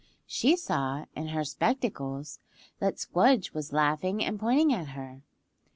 She saw, in her spectacles, that Squdge was laughing and pointing at her.